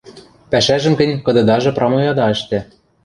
Пӓшӓжӹм гӹнь кыдыдажы прамой ада ӹштӹ.